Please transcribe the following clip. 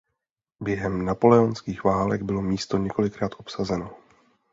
Během napoleonských válek bylo místo několikrát obsazeno.